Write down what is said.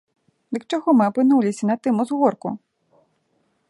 Дык чаго мы апынуліся на тым узгорку?